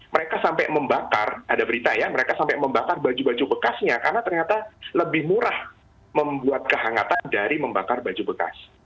mereka sampai membakar ada berita ya mereka sampai membakar baju baju bekasnya karena ternyata lebih murah membuat kehangatan dari membakar baju bekas